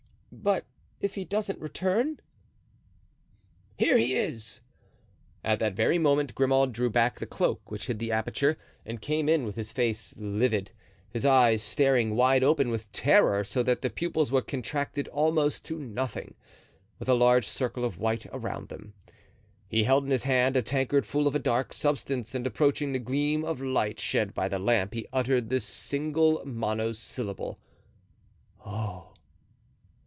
"But if he doesn't return?" "Here he is." At that very moment Grimaud drew back the cloak which hid the aperture and came in with his face livid, his eyes staring wide open with terror, so that the pupils were contracted almost to nothing, with a large circle of white around them. He held in his hand a tankard full of a dark substance, and approaching the gleam of light shed by the lamp he uttered this single monosyllable: "Oh!"